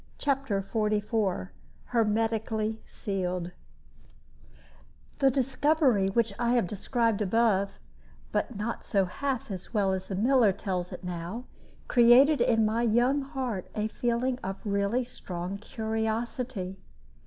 CHAPTER XLIV HERMETICALLY SEALED The discovery which I have described above (but not half so well as the miller tells it now) created in my young heart a feeling of really strong curiosity.